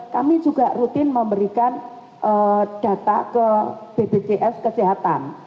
kami juga rutin memberikan data ke bpjs kesehatan